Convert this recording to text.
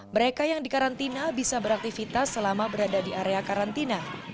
mereka yang dikarantina bisa beraktivitas selama berada di area karantina